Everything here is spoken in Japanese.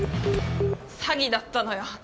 詐欺だったのよ